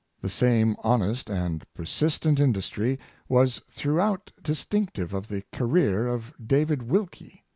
The same honest and persistent industry was through out distinctive of the career of David Wilkie.